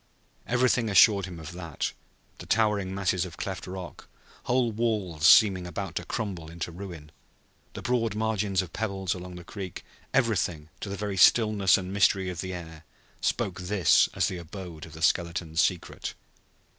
Everything assured him of that; the towering masses of cleft rock, whole walls seeming about to crumble into ruin, the broad margins of pebbles along the creek everything, to the very stillness and mystery in the air, spoke this as the abode of the skeletons' secret.